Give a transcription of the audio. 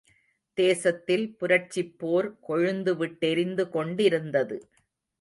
தேசத்தில் புரட்சிப் போர் கொழுந்துவிட்டெரிந்து கொண்டிருந்தது.